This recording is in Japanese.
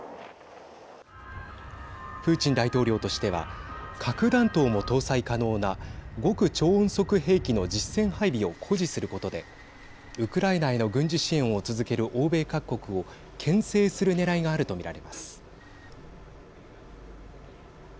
プーチン大統領としては核弾頭も搭載可能な極超音速兵器の実戦配備を誇示することでウクライナへの軍事支援を続ける欧米各国をけん制するねらいがあると見られます。